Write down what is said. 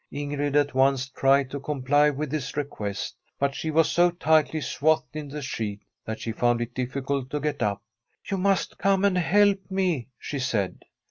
Ingrid at once tried to comply with his re quest, but she was so tightly swathed in the sheet that she found it dimcult to get up. ' You must come and help me,' she said.